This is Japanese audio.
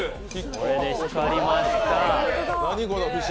これで光りました。